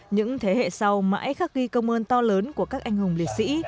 những thế hệ sau mãi khắc ghi công ơn to lớn của các anh hùng liệt sĩ